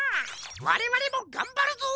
われわれもがんばるぞ！